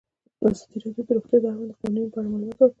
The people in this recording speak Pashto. ازادي راډیو د روغتیا د اړونده قوانینو په اړه معلومات ورکړي.